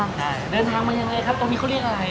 ใช่เดินทางมายังไงครับตรงนี้เขาเรียกอะไร